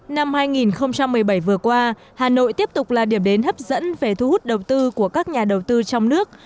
năm hai nghìn một mươi bảy vừa qua hà nội tiếp tục là điểm đến hấp dẫn về thu hút đầu tư của các nhà đầu tư trong nước